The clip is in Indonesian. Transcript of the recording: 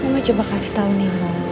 mama coba kasih tau nih